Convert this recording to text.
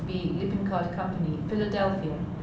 B. Lippincott Co., Philadelphia.